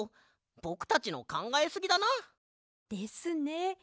ぼくたちのかんがえすぎだな！ですね。